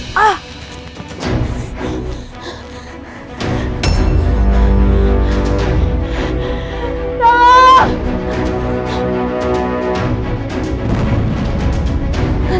saya pasti akan temukan kamu nien